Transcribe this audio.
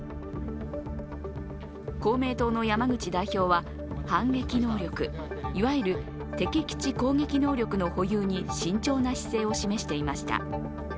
公明党の山口代表は反撃能力、いわゆる敵基地攻撃能力の保有に慎重な姿勢を示していました。